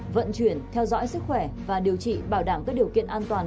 vận chuyển theo dõi sức khỏe và điều trị bảo đảm các điều kiện an toàn